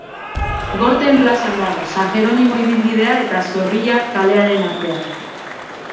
Gorteen plazan dago, San Jeronimo ibilbidea eta Zorrilla kalearen artean.